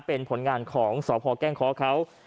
เป็นผลงานของสพแก้งคอเขา